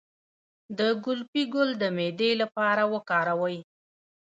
د ګلپي ګل د معدې لپاره وکاروئ